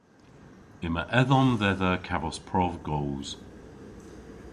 Yma edhom dhedha kavos prov goos.